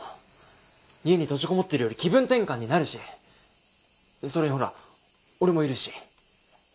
家に閉じ籠もってるより気分転換になるしそれにほら俺もいるし。